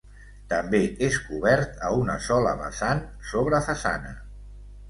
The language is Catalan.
També és cobert a una sola vessant, sobre façana.